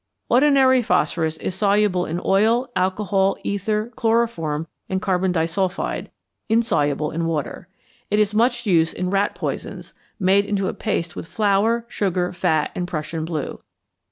Ordinary phosphorus is soluble in oil, alcohol, ether, chloroform, and carbon disulphide; insoluble in water. It is much used in rat poisons, made into a paste with flour, sugar, fat, and Prussian blue.